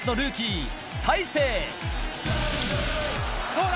どうだ？